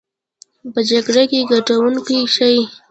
په جګړه کې ګټونکي شي.